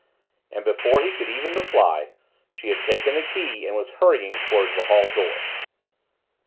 and before he could even reply, she had taken the key and was hurrying toward the hall door.